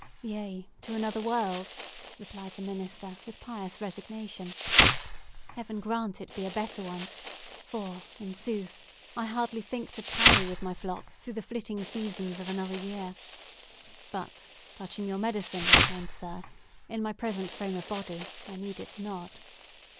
"Yes, to another world," replied the minister with pious resignation. "Heaven grant it be a better one; for, in good sooth, I hardly think to tarry with my flock through the flitting seasons of another year! But touching your medicine, kind sir, in my present frame of body I need it not."